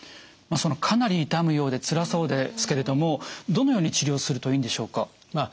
かなり痛むようでつらそうですけれどもどのように治療するといいんでしょうか？